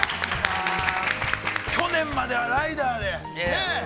去年まではライダーで、ねえ！